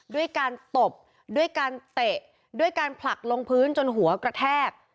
ด้วยการตบด้วยการเตะด้วยการผลักลงพื้นจนหัวกระแทก